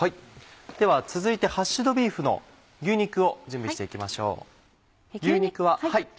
では続いてハッシュドビーフの牛肉を準備して行きましょう。